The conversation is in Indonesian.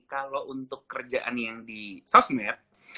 kalau untuk kerjaan yang di sosmed